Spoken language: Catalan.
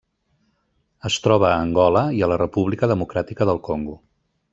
Es troba a Angola i a la República Democràtica del Congo.